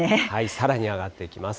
さらに上がっていきます。